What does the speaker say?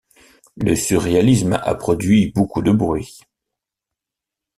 Le surréalisme a produit beaucoup de bruit.